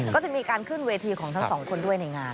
ก็จะมีการขึ้นเวทีของทั้งสองคนด้วยในงาน